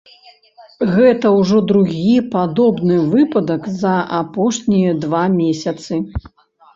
Гэта ўжо другі падобны выпадак за апошнія два месяцы.